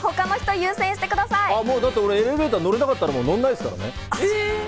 だって俺、エレベーター乗れなかったら、乗らないですもん。